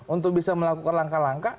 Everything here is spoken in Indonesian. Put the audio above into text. untuk bisa melakukan langkah langkah